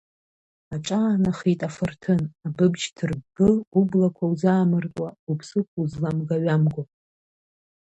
Аҿаанахеит афырҭын, абыб шьҭырббы, ублақәа узаамыртуа, уԥсыԥ узламга-ҩамго.